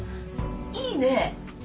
いいねぇ！